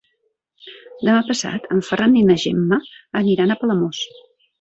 Demà passat en Ferran i na Gemma aniran a Palamós.